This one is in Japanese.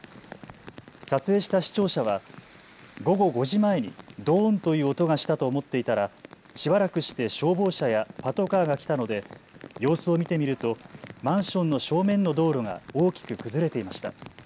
撮影した視聴者は午後５時前にどーんという音がしたと思っていたらしばらくして消防車やパトカーが来たので様子を見てみるとマンションの正面の道路が大きく崩れていました。